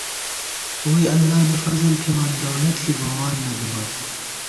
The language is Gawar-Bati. ووئی اللہ نی فضل تھِمان، دولت ݪی گووان نہ دِمان